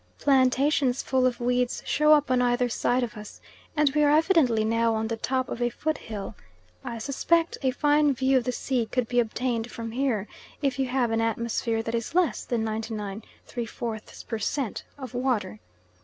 Plantations full of weeds show up on either side of us, and we are evidently now on the top of a foot hill. I suspect a fine view of the sea could be obtained from here, if you have an atmosphere that is less than 99.75 per cent. of water.